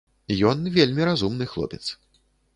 Ён вельмі разумны хлопец.